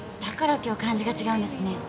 だから今日感じが違うんですね。